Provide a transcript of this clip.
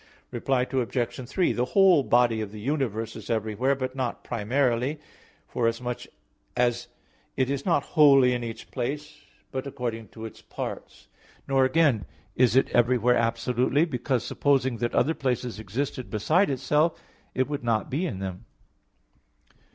Reply Obj. 3: The whole body of the universe is everywhere, but not primarily; forasmuch as it is not wholly in each place, but according to its parts; nor again is it everywhere absolutely, because, supposing that other places existed besides itself, it would not be in them.